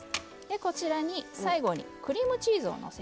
こちらに最後にクリームチーズをのせます。